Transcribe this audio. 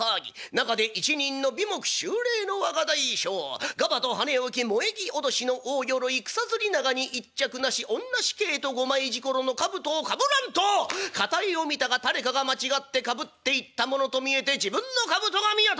中で一人の眉目秀麗の若大将ガバと跳ね起き萌葱威の大鎧草摺長に一着なしおんなしけいと五枚錣の兜をかぶらんと傍を見たが誰かが間違ってかぶっていったものと見えて自分の兜が見当たらん。